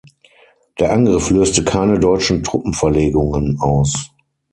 Der Angriff löste keine deutschen Truppenverlegungen aus.